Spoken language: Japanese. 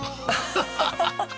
ハハハハ！